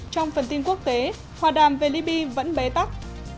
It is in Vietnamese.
trong phần tin quốc tế hòa đàm về libya vẫn bế tắc